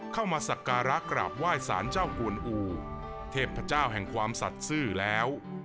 สักการะกราบไหว้สารเจ้ากวนอู่เทพเจ้าแห่งความสัตว์ซื่อแล้ว